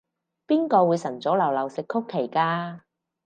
邊個會晨早流流食曲奇㗎？